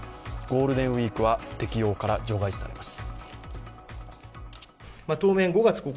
ゴールデンウイークは適用から除外されます。